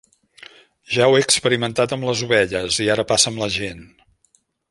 Ja ho he experimentat amb les ovelles, i ara passa amb la gent.